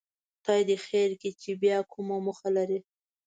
خدای دې خیر کړي چې بیا کومه موخه لري.